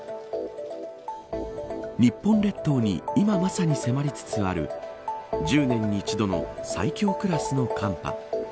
日本列島に今まさに迫りつつある１０年に一度の最強クラスの寒波。